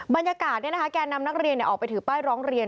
บรรยากาศแก่นำนักเรียนออกไปถือป้ายร้องเรียน